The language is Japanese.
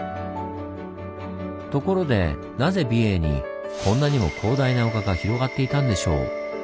ところでなぜ美瑛にこんなにも広大な丘が広がっていたんでしょう？